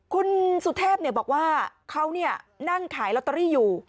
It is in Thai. คุณสุเทพบอกว่าเขานั่งขายลอตเตอรี่อยู่